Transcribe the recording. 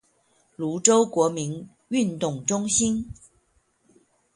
蘆洲國民運動中心